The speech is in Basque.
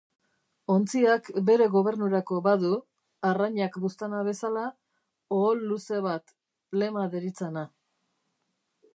Ontziak bere gobernurako badu, arrainak buztana bezala, ohol luze bat, lema deritzana.